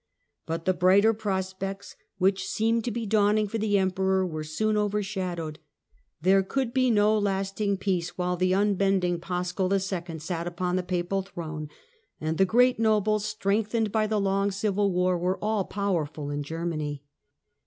P)ut the brighter prospects which seemed to be dawning for the Emperor were soon overshadowed. There could be no lasting peace for him while the unbending Paschal II. sat upon the papal throne, and the great nobles, strength ened by the long civil war, were all powerful in Germany.